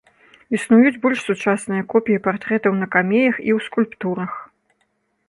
Існуюць больш сучасныя копіі партрэтаў на камеях і ў скульптурах.